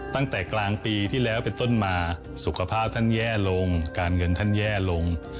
ตั้งแต่กลางปีที่แล้วเป็นต้นมาสุขภาพท่านแย่ลงการเงินท่านแย่ลง